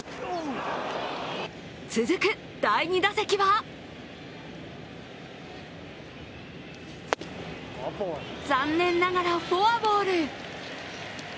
続く第２打席は残念ながらフォアボール。